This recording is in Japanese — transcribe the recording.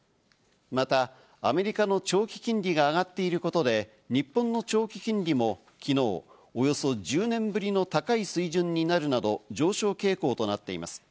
また、アメリカの長期金利が上がっていることで、日本の長期金利もきのう、およそ１０年ぶりの高い水準になるなど、上昇傾向となっています。